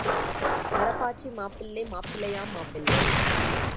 மரப்பாச்சி மாப்பிள்ளை மாப்பிள்ளையாம் மாப்பிள்ளை.